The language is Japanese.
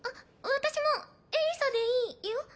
私もエリサでいいよ